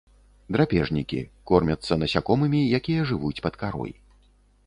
Драпежнікі, кормяцца насякомымі, якія жывуць пад карой.